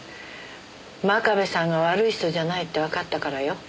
真壁さんが悪い人じゃないってわかったからよ。